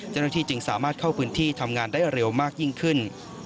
เจ้าหน้าที่จึงสามารถเข้าพื้นที่ทำงานได้เร็วมากยิ่งขึ้น